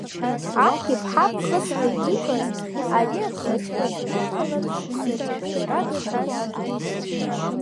Аҳ иԥа ԥхыӡла иибаз, ари аԥҳәызба длышьҭаларц аҽырхиара даҿын.